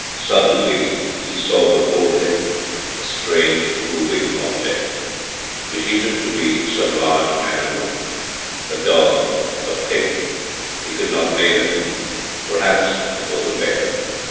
Suddenly he saw before him a strange moving object which he took to be some large animal a dog, a pig he could not name it; perhaps it was a bear.